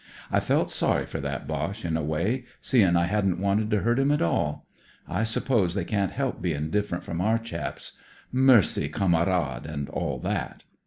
I felt sorry for that Boche, in a way, seein* I hadn't wanted to hurt him at all. I suppose they can't help bein' different from our chaps, * Mercy, Kamerad !' an' aU that."